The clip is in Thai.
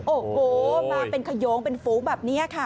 โอ้โหมาเป็นขยงเป็นฝูงแบบนี้ค่ะ